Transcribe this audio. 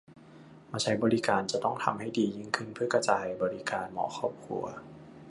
มาใช้บริการจะต้องทำให้ดียิ่งขึ้นเพื่อกระจายบริการหมอครอบครัว